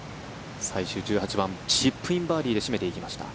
最終１８番チップインバーディーで締めていきました。